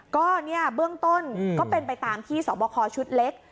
ก็เนี่ยเบื้องต้นก็เป็นไปตามที่สอบคอชุดเล็ก